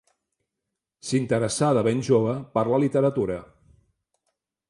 S'interessà de ben jove per la literatura.